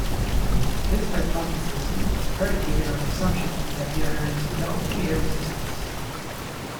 This hypothesis is predicated on the assumption that there is no air resistance.